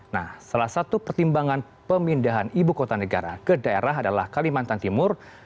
nah salah satu pertimbangan pemindahan ibu kota negara ke daerah adalah kalimantan timur